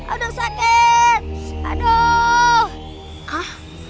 aduh sakit aduh